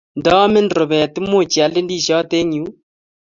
ndaamin rubet, muuch ial indisiot eng yuu?